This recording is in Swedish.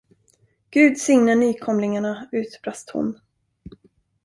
Gud signe nykomlingarna! utbrast hon.